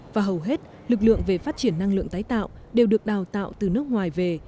và hầu hết lực lượng về phát triển năng lượng tái tạo đều được đào tạo từ nước ngoài về